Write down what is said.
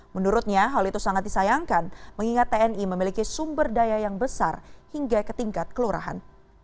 menurutnya hal itu sangat disayangkan mengingat tni memiliki sumber daya yang besar hingga ke tingkat kelurahan